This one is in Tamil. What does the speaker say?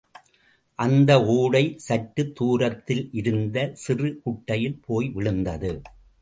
அந்த ஓடை, சற்றுத் தூரத்தில் இருந்த சிறு குட்டையில் போய் விழுந்தது.